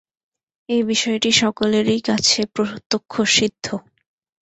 এই বিষয়টি সকলেরই কাছে প্রত্যক্ষসিদ্ধ।